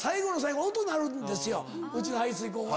うちの排水口は。